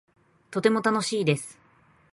とても楽しいです